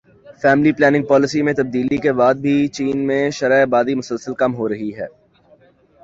family planning policy میں تبدیلی کے بعد بھی چین میں شرح آبادی مسلسل کم ہو رہی ہے